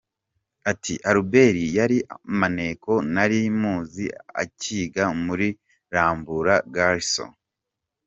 Ati “Albert yari maneko nari muzi akiga muri Rambura Garҫons.